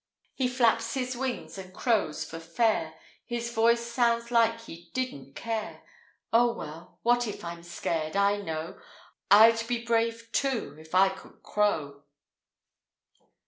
He flaps his wings and crows for fair; His voice sounds like he didn't care Oh, well, what if I'm scared I know I'd be brave, too, if I could crow!